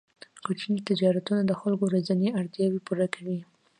کوچني تجارتونه د خلکو ورځنۍ اړتیاوې پوره کوي.